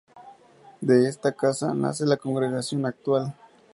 De esta casa, nace la congregación actual.